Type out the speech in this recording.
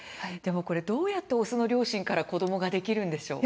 どうやってオスの両親から子どもができるんでしょうか。